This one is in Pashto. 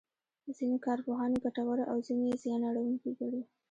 ځینې کارپوهان یې ګټوره او ځینې یې زیان اړوونکې ګڼي.